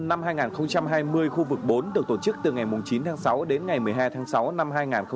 năm hai nghìn hai mươi khu vực bốn được tổ chức từ ngày chín tháng sáu đến ngày một mươi hai tháng sáu năm hai nghìn hai mươi